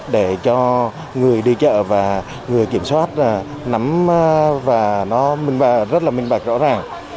để cho người đi chợ và người kiểm soát nắm và nó rất là minh bạch rõ ràng